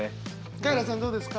カエラさんどうですか？